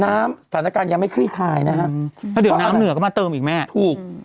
สถานการณ์ยังไม่คลี่คลายนะฮะแล้วเดี๋ยวน้ำเหนือก็มาเติมอีกแม่ถูก